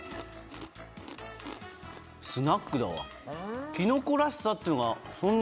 スナックだわ。